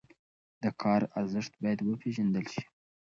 د کار ارزښت باید وپېژندل شي.